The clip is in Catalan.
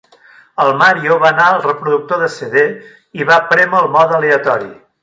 El Mario va anar al reproductor de CD i va prémer el mode aleatori.